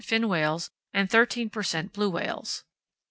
fin whales, and 13 per cent. blue whales.